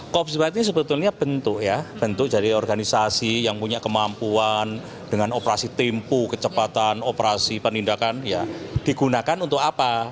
kopsi sebetulnya bentuk ya bentuk dari organisasi yang punya kemampuan dengan operasi tempuh kecepatan operasi penindakan ya digunakan untuk apa